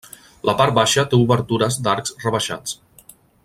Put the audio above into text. La part baixa té obertures d'arcs rebaixats.